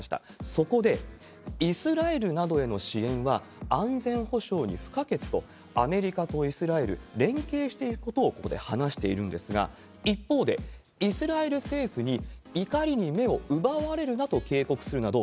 そこで、イスラエルなどへの支援は安全保障に不可欠と、アメリカとイスラエル、連携していくことをここで話しているんですが、一方で、イスラエル政府に怒りに目を奪われるなと警告するなど、